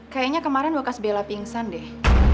kayanya kemarin dua kas bella pingsan deh